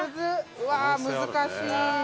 うわー難しい。